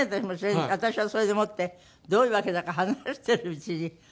私はそれでもってどういうわけだか話してるうちに。